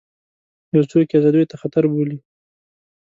یو څوک یې ازادیو ته خطر بولي.